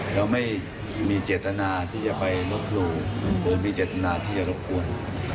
เขาไม่มีเจตนาที่จะไปลบหลู่โดยมีเจตนาที่จะรบกวน